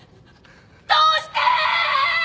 どうしてっ！